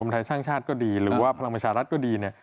กรมไทยสร้างชาติก็ดีหรือว่าพลังวิชารัฐก็ดี